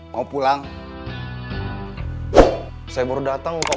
salam buat iwan